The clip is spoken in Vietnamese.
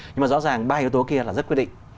nhưng mà rõ ràng ba yếu tố kia là rất quyết định